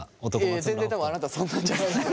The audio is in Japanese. いやいや全然多分あなたそんなんじゃ。